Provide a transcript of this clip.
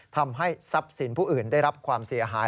ทำให้ทรัพย์สินผู้อื่นได้รับความเสียหาย